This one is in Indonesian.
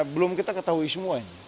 belum kita ketahui semuanya